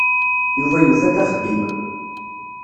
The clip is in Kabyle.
Yuba yufa-d axeddim.